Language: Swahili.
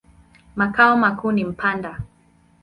Makao makuu ni Mpanda.